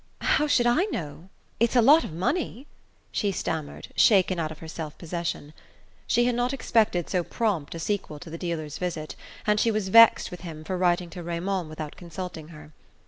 "How should I know? It's a lot of money," she stammered, shaken out of her self possession. She had not expected so prompt a sequel to the dealer's visit, and she was vexed with him for writing to Raymond without consulting her.